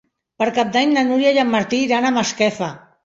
Per Cap d'Any na Núria i en Martí iran a Masquefa.